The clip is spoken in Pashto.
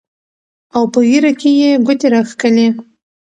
او پۀ ږيره کښې يې ګوتې راښکلې